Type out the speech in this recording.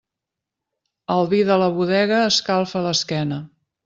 El vi de la bodega escalfa l'esquena.